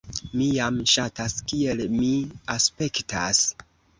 "Mi jam ŝatas kiel mi aspektas."